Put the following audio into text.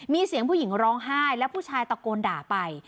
มีเสียงผู้หญิงร้องไห้แล้วผู้ชายตะโกนด่าไป